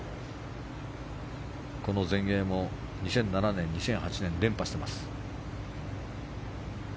この全英も２００７年２００８年、連覇してます。